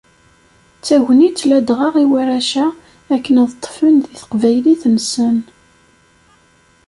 D tagnit ladɣa i warrac-a akken ad ṭṭfen deg Teqbaylit-nsen.